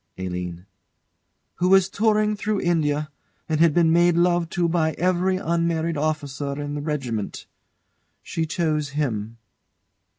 ALINE. Who was touring through India, and had been made love to by every unmarried officer in the regiment. She chose him.